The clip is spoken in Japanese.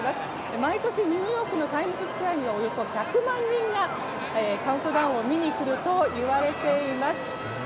毎年、ニューヨークのタイムズスクエアにはおよそ１００万人がカウントダウンを見に来るといわれています。